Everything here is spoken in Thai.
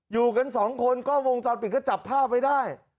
อยู่กันสองคนก็วงจรปิดก็จับผ้าไปได้